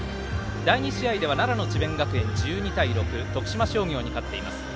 第２試合では、奈良の智弁学園１２対６徳島商業に勝っています。